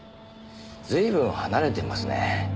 随分離れていますね。